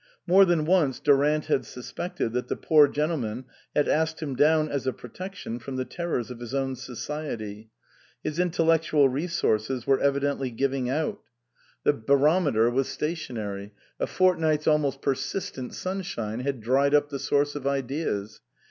More than once Durant had suspected that the poor gentleman had asked him down as a protection from the terrors of his own society. His intellectual re sources were evidently giving out. The baro ' 92 INLAND meter was stationary ; a fortnight's almost per sistent sunshine had dried up the source of ideas.